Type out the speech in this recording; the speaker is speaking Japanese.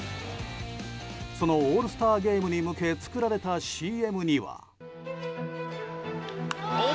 そのオールスターゲームに向け作られたＣＭには。